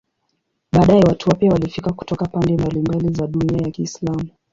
Baadaye watu wapya walifika kutoka pande mbalimbali za dunia ya Kiislamu.